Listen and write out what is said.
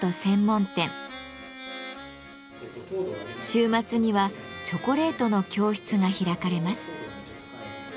週末にはチョコレートの教室が開かれます。